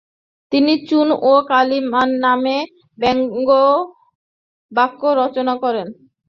তিনি 'চুন ও কালি' নামে ব্যঙ্গকাব্য রচনা করেন।